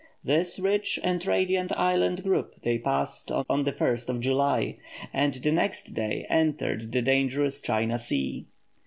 This rich and radiant island group they passed on the 1st of July, and the next day entered the dangerous China Sea.